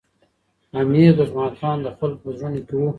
امیر دوست محمد خان د خلکو په زړونو کي و.